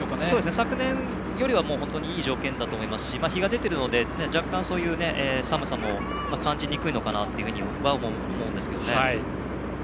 昨年よりはいい条件だと思いますし日が出ているので若干、寒さも感じにくいのかなとは思いますね。